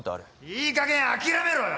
いいかげん諦めろよ！